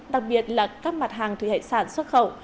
đặc biệt là các mặt hàng thủy hải sản xuất khẩu